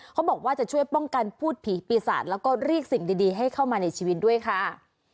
เขาบอกว่าจะช่วยป้องกันพูดผีปีศาจแล้วก็เรียกสิ่งดีให้เข้ามาในชีวิตด้วยค่ะ